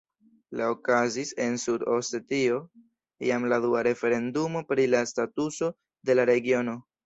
La okazis en Sud-Osetio jam la dua referendumo pri la statuso de la regiono.